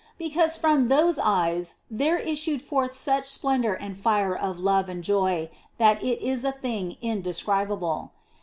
Because from those eyes there issued forth such splendour and fire of love and joy that it is a thing indescribable.